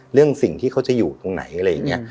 เรื่องสิ่งที่เขาจะอยู่ตรงไหนอะไรอย่างนี้